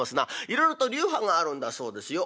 いろいろと流派があるんだそうですよ。